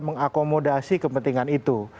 mengakomodasi kepentingan itu